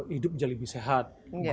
hidup menjadi lebih sehat